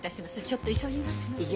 ちょっと急ぎますので。